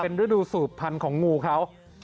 เป็นฤดูสูบพันธุ์ของงูเขา